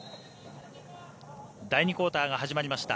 第２クオーターが始まりました。